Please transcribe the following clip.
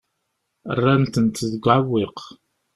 Rran-tent deg uɛewwiq.